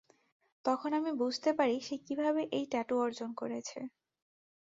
তখন আমি বুঝতে পারি সে কীভাবে এই ট্যাটু অর্জন করেছে।